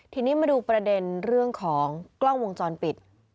ทีนี้มาดูประเด็นเรื่องของกล้องวงจรปิด